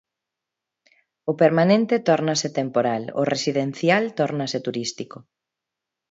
O permanente tórnase temporal, o residencial tórnase turístico.